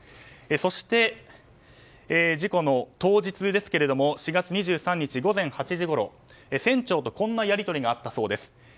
そして、事故の当日ですが４月２３日午前８時ごろ船長とこんなやり取りがあったそうです。